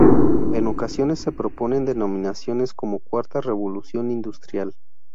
En ocasiones se proponen denominaciones como "cuarta revolución industrial".